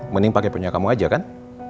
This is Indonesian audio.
mending pakai punya kamu aja kan